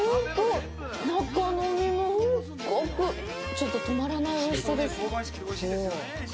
ちょっと止まらないおいしさです。